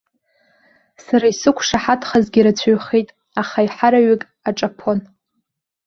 Сара исықәшаҳаҭхазгьы рацәаҩхеит, аха аиҳараҩык аҿаԥон.